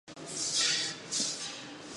انساني کرامت تر ټولو لوړ دی.